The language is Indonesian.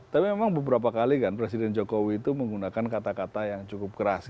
tapi memang beberapa kali kan presiden jokowi itu menggunakan kata kata yang cukup keras